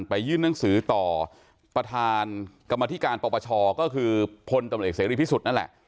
ยื่นหนังสือต่อประธานกรรมธิการปปชก็คือพลตำรวจเอกเสรีพิสุทธิ์นั่นแหละ